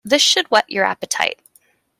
This should whet your appetite.